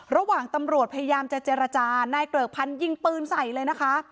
ระหว่างตำรวจพยายามจะเจรจานายเกริกพันธ์ยิงปืนใส่เลยนะคะ